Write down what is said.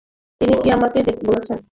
তিনি কী আমকে যেতে বলেছে?